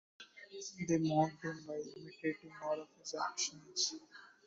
They mocked him by imitating all of his actions.